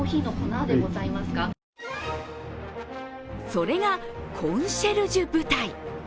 それがコンシェルジュ部隊。